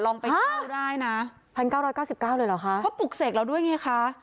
ลองไปเท่าได้นะพันเก้าร้อยเก้าสิบเก้าเลยเหรอคะเพราะปลุกเสกเราด้วยไงคะ